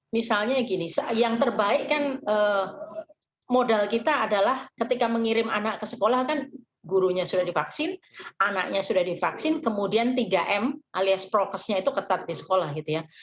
misalnya gini yang terbaik kan modal kita adalah ketika mengirim anak ke sekolah kan gurunya sudah divaksin anaknya sudah divaksin kemudian tiga m alias prokesnya itu ketat di sekolah gitu ya